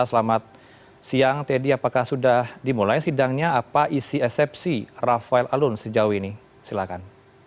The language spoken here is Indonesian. selamat siang teddy apakah sudah dimulai sidangnya apa isi eksepsi rafael alun sejauh ini silahkan